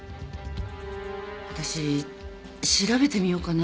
わたし調べてみようかな。